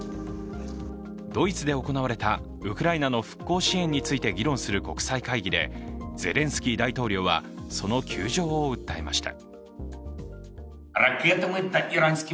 ドイツで行われたウクライナの復興支援について議論する国際会議でゼレンスキー大統領はその窮状を訴えました。